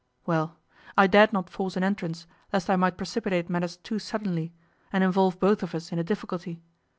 Well, I dared not force an entrance, lest I might precipitate matters too suddenly, and involve both of us in a difficulty.